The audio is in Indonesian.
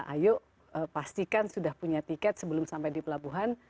ayo pastikan sudah punya tiket sebelum sampai di pelabuhan